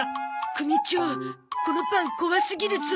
組長このパン怖すぎるゾ。